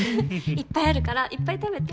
いっぱいあるからいっぱい食べて。